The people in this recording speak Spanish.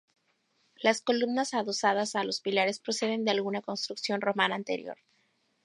Las columnas adosadas a los pilares proceden de alguna construcción romana anterior.